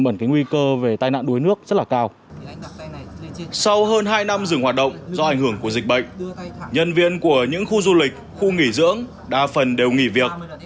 sau hơn hai năm dừng hoạt động do ảnh hưởng của dịch bệnh nhân viên của những khu du lịch khu nghỉ dưỡng đa phần đều nghỉ việc